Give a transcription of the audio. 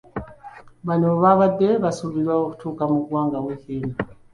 Bano babadde basuubirwa okutuuka mu ggwanga wiiki eno.